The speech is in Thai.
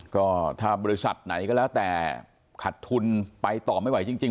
ก็ถ้าบริษัทไหนก็แล้วแต่ขัดทุนไปต่อไม่ไหวจริง